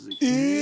え！